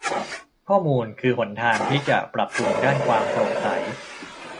ข้อมูลคือหนทางที่จะปรับปรุงด้านความโปร่งใส